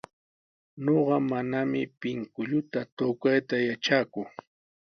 Ñuqa manami pinkulluta tukayta yatraaku.